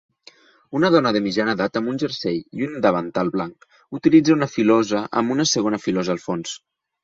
Una dona de mitjana edat amb un jersei i un davantal blanc utilitza una filosa amb una segona filosa al fons